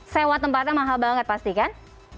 sewa tempatnya mahal banget pasti kan